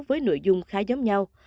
với nội dung khá giống nhau